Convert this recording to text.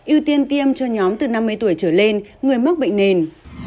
ưu tiên tiêm cho nhóm từ năm mươi tuổi trở lên người mắc bệnh nền